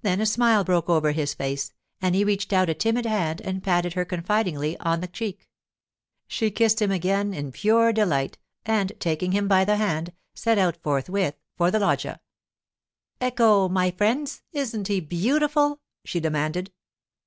Then a smile broke over his face, and he reached out a timid hand and patted her confidingly on the cheek. She kissed him again in pure delight, and taking him by the hand, set out forthwith for the loggia. 'Ecco! my friends. Isn't he beautiful?' she demanded.